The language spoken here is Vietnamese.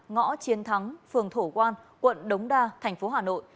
ngõ chiến thắng phường thổ quan quận đống đa tp hà nội